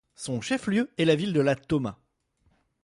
Son chef-lieu est la ville de La Toma.